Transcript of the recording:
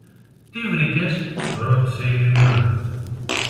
Τι βρήκες; ρώτησε η Ειρηνούλα.